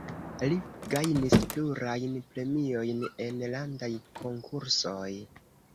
Li gajnis plurajn premiojn en landaj konkursoj.